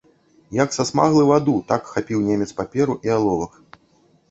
Як сасмаглы ваду, так хапіў немец паперу і аловак.